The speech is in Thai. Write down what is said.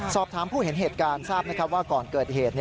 สอบถามผู้เห็นเหตุการณ์ทราบว่าก่อนเกิดเหตุ